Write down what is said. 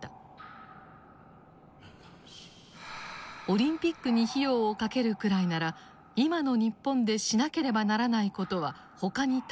「オリンピックに費用をかけるくらいなら今の日本でしなければならないことはほかにたくさんあるはずだ」。